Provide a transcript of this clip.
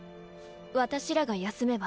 私らが休めば。